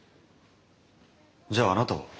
じゃああなたは？